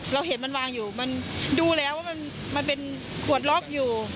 เราเห็นมันวางอยู่มันดูแล้วว่ามันเป็นขวดล็อกอยู่